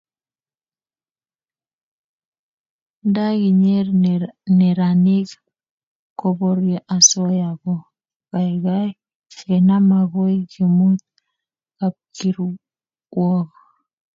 nda kinyor neranik koporie asoya ko kaikai kenam akoi kemut kapkirwog